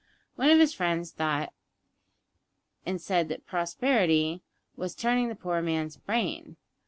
One of his friends thought and said that prosperity was turning the poor man's brain.